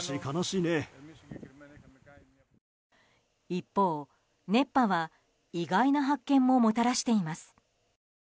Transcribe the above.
一方、熱波は意外な発見ももたらしています。